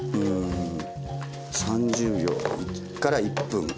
３０秒から１分。